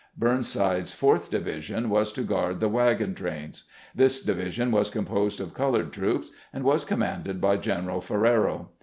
Burnside's fourth division was to guard the wagon trains. This division was composed of colored troops, and was commanded by G eneral Ferrero.